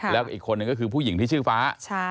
แล้วอีกคนนึงก็คือผู้หญิงที่ชื่อฟ้า